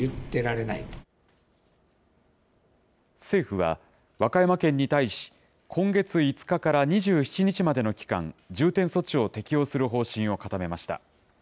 政府は和歌山県に対し、今月５日から２７日までの期間、重点措置を適用する方針を固めました。